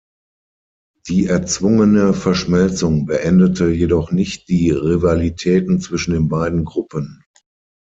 Die erzwungene Verschmelzung beendete jedoch nicht die Rivalitäten zwischen den beiden Gruppen.